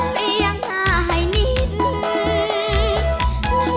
ไม่ยังหายนิดนึง